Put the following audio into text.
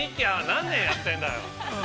何年やってんだよ。